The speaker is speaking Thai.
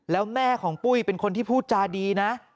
แล้วแม่ของปุ้ยเป็นคนที่พูดจาดีนะ